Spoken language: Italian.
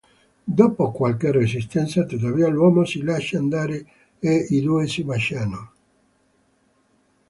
Dopo qualche resistenza, tuttavia, l'uomo si lascia andare e i due si baciano.